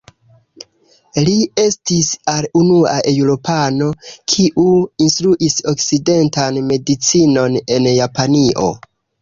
Li estis al unua eŭropano kiu instruis okcidentan medicinon en Japanio.